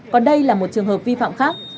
còn đây là một trường hợp vi phạm khác